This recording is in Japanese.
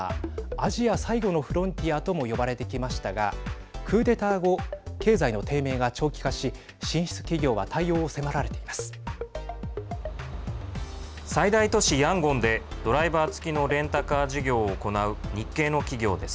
アジア最後のフロンティアとも呼ばれてきましたがクーデター後経済の低迷が長期化し進出企業は対応を迫られています。